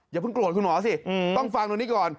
อย่าเพิ่งโกรธคุณหมอสิต้องฟังตรงนี้ก่อน